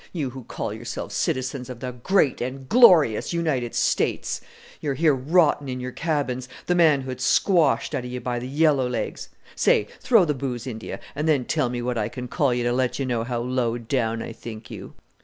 You who call yourselves citizens of the great and glorious United States! You're here rottin' in your cabins, the manhood squashed out of you by the yellow legs. Say! throw the booze into you, and then tell me what I can call you to let you know how low down I think you."